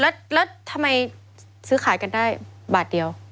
แล้วทำไมซื้อขายกันได้บาทเดียว